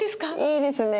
いいですね。